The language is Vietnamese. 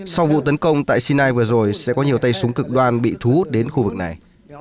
sau vụ tấn công tại sinai vừa rồi sẽ có nhiều tay súng cực đoan bị thu hút đến khu vực này